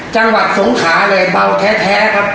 จังหวัดสงขาเลยเบาแท้ครับ